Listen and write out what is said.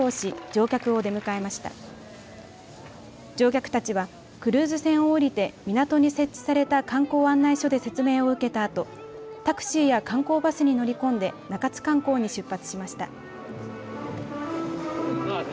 乗客たちはクルーズ船を下りて港に設置された観光案内所で説明を受けたあとタクシーや観光バスに乗り込んで中津観光に出発しました。